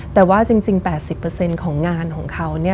แต่ว่าจริง๘๐ของงานของเขา